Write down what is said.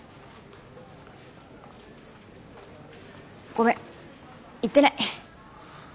ごめん言ってない。